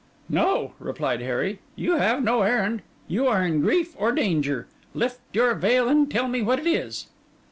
'No,' replied Harry, 'you have no errand. You are in grief or danger. Lift your veil and tell me what it is.